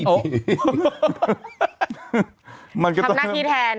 ทำหน้าที่แทน